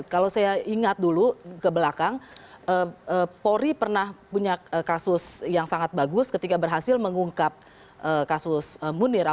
kalau saya ingat dulu ke belakang polri pernah punya kasus yang sangat bagus ketika berhasil mengungkap kasus munir